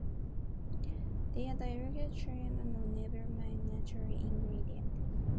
They are a dialect chain, and neighboring varieties may be mutually intelligible.